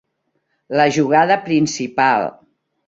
La jugada principal.